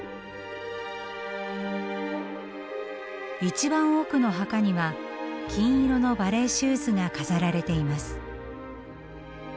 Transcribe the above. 一番奥の墓には金色のバレエシューズが飾られています。